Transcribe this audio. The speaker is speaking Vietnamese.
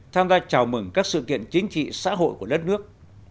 tham gia chào mừng các sự kiện chính trị xã hội của đất nước